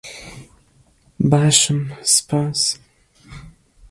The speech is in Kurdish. Baş im, spas.